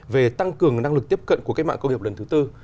về tăng cường năng lực tiếp cận của cách mạng công nghiệp lần thứ tư